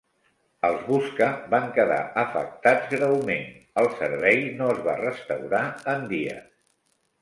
Els busca van quedar afectats greument; el servei no es va restaurar en dies.